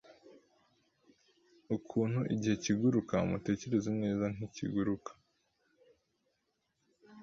Ukuntu igihe kiguruka .mutekereze neza ntikiguruka